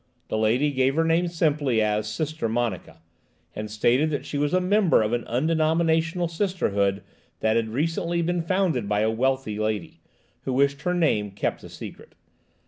The lady gave her name simply as 'Sister Monica,' and stated that she was a member of an undenominational Sisterhood that had recently been founded by a wealthy lady, who wished her name kept a secret.